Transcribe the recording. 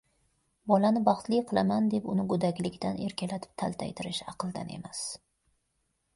Bolani baxtli qilaman deb, uni go‘daklikdan erkalatib taltaytirish aqldan emas.